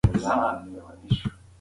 دا نجلۍ په پخلنځي کې کار کوي.